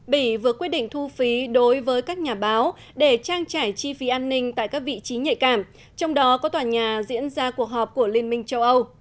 bỉ vừa quyết định thu phí đối với các nhà báo để trang trải chi phí an ninh tại các vị trí nhạy cảm trong đó có tòa nhà diễn ra cuộc họp của liên minh châu âu